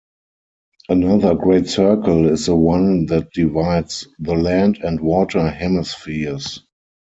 Another great circle is the one that divides the land and water hemispheres.